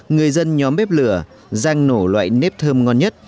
người dân nhóm bếp lửa rang nổ loại nếp thơm ngon nhất